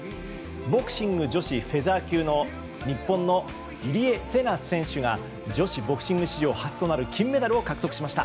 ボクシング女子フェザー級の日本の入江聖奈選手が女子ボクシング史上初となる金メダルを獲得しました。